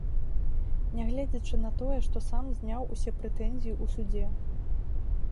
Нягледзячы на тое, што сам зняў усе прэтэнзіі ў судзе.